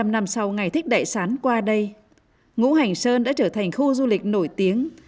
ba trăm linh năm sau ngày thích đại sán qua đây ngũ hành sơn đã trở thành khu du lịch nổi tiếng